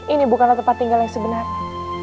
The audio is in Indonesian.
ini bukanlah tempat tinggal yang sebenarnya